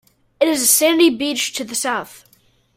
It is a sandy beach to the south.